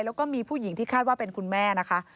แล้วก็มีผู้หญิงที่คาดว่าเป็นคุณแม่นะคะ